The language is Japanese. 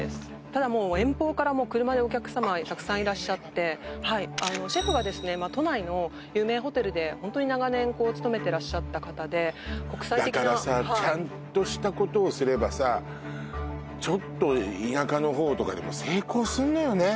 ただもう遠方からも車でお客様たくさんいらっしゃってはいあのシェフがですね都内の有名ホテルでホントに長年こう勤めてらっしゃった方で国際的なだからさちゃんとしたことをすればさちょっと田舎の方とかでも成功するのよね